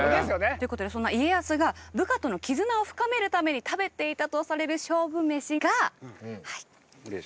ということでそんな家康が部下との絆を深めるために食べていたとされる勝負メシがこちらです。